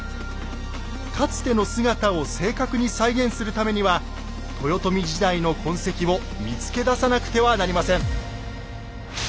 かつての姿を正確に再現するためには豊臣時代の痕跡を見つけ出さなくてはなりません。